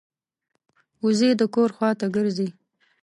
وزې د کور خوا ته ګرځي